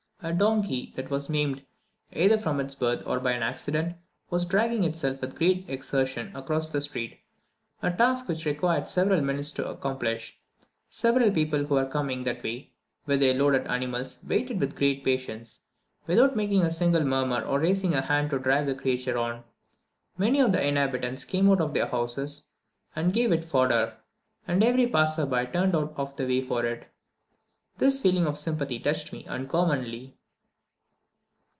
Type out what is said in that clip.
A donkey, that was maimed either from its birth or by an accident, was dragging itself with great exertion across the street, a task which it required several minutes to accomplish. Several people who were coming that way with their loaded animals waited with great patience, without making a single murmur or raising a hand to drive the creature on. Many of the inhabitants came out of their houses and gave it fodder, and every passer by turned out of the way for it. This feeling of sympathy touched me uncommonly.